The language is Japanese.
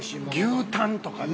◆牛タンとかね。